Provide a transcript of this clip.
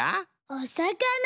おさかな！